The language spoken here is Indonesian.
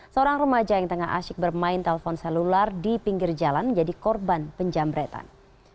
seorang remaja yang tengah asyik bermain telpon selular di pinggir jalan menjadi korban penjambretan